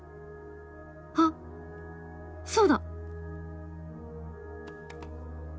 あっそうだ！